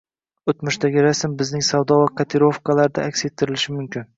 O'tmishdagi rasm bizning savdo va kotirovkalarda aks ettirilishi mumkin